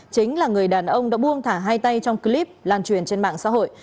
chính là người đàn ông đã buông thả hai tay trong clip lan truyền trên mạng xã hội